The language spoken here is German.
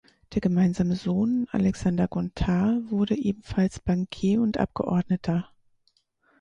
Der gemeinsame Sohn Alexander Gontard wurde ebenfalls Bankier und Abgeordneter.